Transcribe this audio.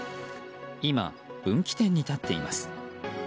今、分岐点に立っています。